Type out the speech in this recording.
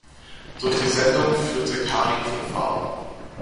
Durch die Sendung führte Karin von Faber.